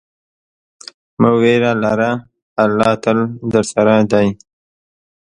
مه ویره لره، الله تل درسره دی.